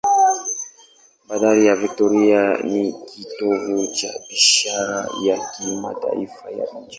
Bandari ya Victoria ni kitovu cha biashara ya kimataifa cha nchi.